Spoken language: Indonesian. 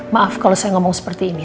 maaf kalau saya ngomong seperti ini